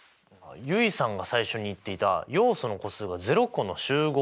結衣さんが最初に言っていた要素の個数が０個の集合のことですね。